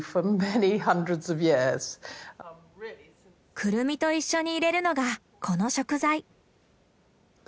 クルミと一緒に入れるのがこの食材。